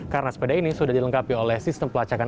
karena sepeda ini sudah dilengkapi oleh sistem pelacakan